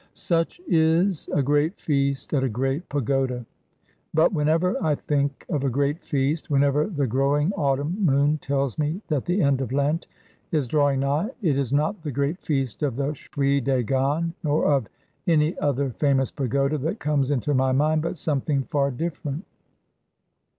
Such is a great feast at a great pagoda. But whenever I think of a great feast, whenever the growing autumn moon tells me that the end of Lent is drawing nigh, it is not the great feast of the Shwe Dagon, nor of any other famous pagoda that comes into my mind, but something far different.